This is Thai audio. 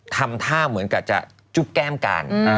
ทำท่าเหมือนกับจะจุ๊บแก้มกัน